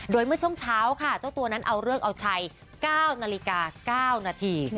โดยเมื่อช่วงเช้าค่ะเจ้าตัวนั้นเอาเลิกเอาชัย๙นาฬิกา๙นาที